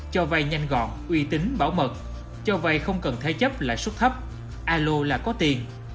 cho vay nhanh gọn uy tín bảo mật cho vay không cần thế chấp lãi suất thấp alo là có tiền